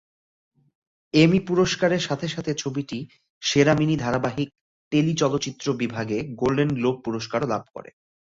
এমি পুরস্কারের সাথে সাথে ছবিটি সেরা মিনি ধারাবাহিক/টেলিচলচ্চিত্র বিভাগে গোল্ডেন গ্লোব পুরস্কারও লাভ করে।